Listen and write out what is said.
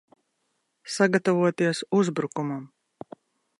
Sagatavoties uzbrukumam!